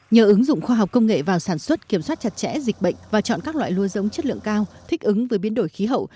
nhờ ứng dụng khoa học công nghệ vào sản xuất kiểm soát chặt chẽ dịch bệnh và chọn các loại lúa giống chất lượng cao thích ứng với biến đổi khí hậu